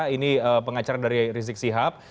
ini pengacara dari rizik sihab